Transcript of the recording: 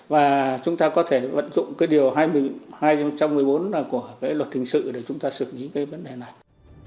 và chúng ta có thể vận dụng cái điều hai trăm một mươi bốn của luật hình sự để chúng ta xử lý cái vấn đề này